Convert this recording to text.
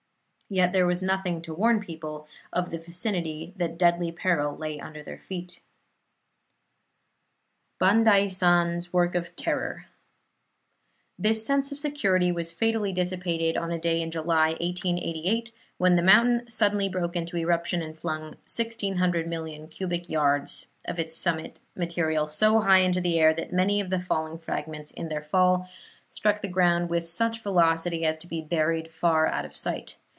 Yet there was nothing to warn the people of the vicinity that deadly peril lay under their feet. BANDAISAN'S WORK OF TERROR This sense of security was fatally dissipated on a day in July, 1888, when the mountain suddenly broke into eruption and flung 1,600 million cubic yards of its summit material so high into the air that many of the falling fragments, in their fall, struck the ground with such velocity as to be buried far out of sight.